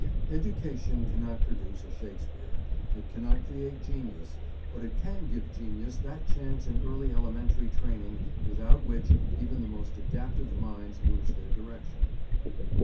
Education cannot produce a Shakespeare, it cannot create genius, but it can give genius that chance in early elementary training without which even the most adaptive minds lose their direction.